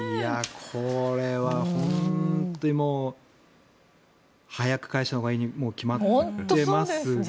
これは本当にもう早く返したほうがいいに決まってますよね。